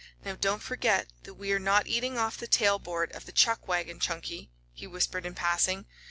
"Now, don't forget that we are not eating off the tail board of the chuck wagon, Chunky," he whispered in passing.